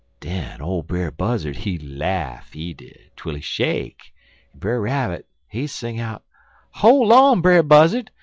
"Den ole Brer Buzzard, he laff, he did, twel he shake, en Brer Rabbit, he sing out: "'Hol' on, Brer Buzzard!